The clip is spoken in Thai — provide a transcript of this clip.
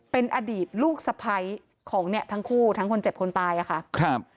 เป็นอดีตลูกสะพ้ายของเนี่ยทั้งคู่ทั้งคนเจ็บคนตายอะค่ะครับ